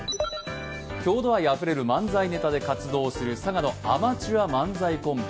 郷土愛あふれる漫才ネタで活動する佐賀のアマチュア漫才コンビ。